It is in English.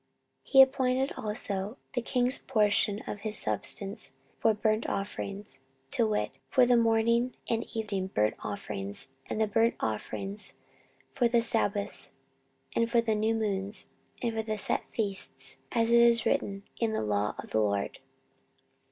14:031:003 He appointed also the king's portion of his substance for the burnt offerings, to wit, for the morning and evening burnt offerings, and the burnt offerings for the sabbaths, and for the new moons, and for the set feasts, as it is written in the law of the LORD.